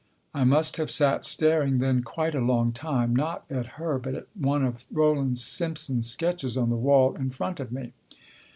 I must have sat staring then quite a long time, not at her, but at one of Roland Simpson's sketches on the wall in front of me.